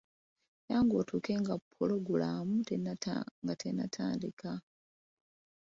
Yanguwa otuuke nga pulogulaamu nga tennatandika.